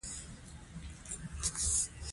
انګرېزي لښکرو یرغل وکړ.